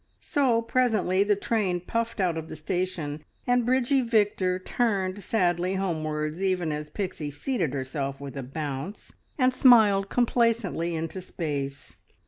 So presently the train puffed out of the station, and Bridgie Victor turned sadly homewards even as Pixie seated herself with a bounce, and smiled complacently into space.